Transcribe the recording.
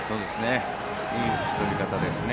いい打ち取り方ですね。